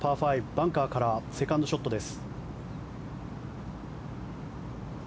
バンカーからセカンドショットです。